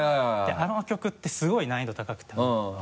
あの曲ってすごい難易度高くて多分。